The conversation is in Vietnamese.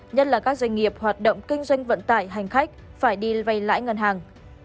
nhất là các doanh nghiệp hoạt động kinh doanh vận tải hành khách phải đi vay lãi ngân hàng